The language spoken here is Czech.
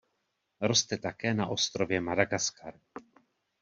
Roste také na ostrově Madagaskar.